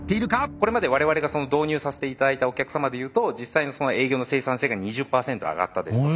これまで我々が導入させて頂いたお客さまでいうと実際のその営業の生産性が２０％上がったですとか。